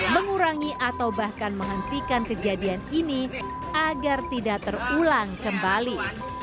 mengurangi atau bahkan menghentikan kejadian ini agar tidak terulang kembali